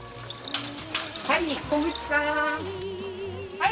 はい！